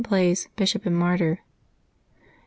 BLASE, Bishop and Martyr. [T.